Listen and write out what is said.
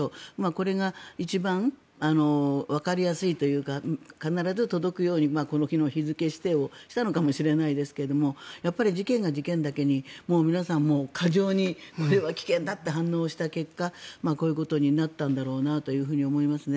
これが一番わかりやすいというか必ず届くようにこの日の日付指定をしたのかもしれないですけどやはり事件が事件だけに皆さん過剰にこれは危険だと反応した結果こういうことになったんだろうなと思いますね。